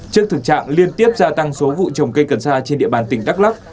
trước thực trạng liên tiếp gia tăng số vụ trồng cây cần xa trên địa bàn tỉnh đắk lắk